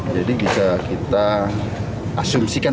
jadi bisa kita asumsikan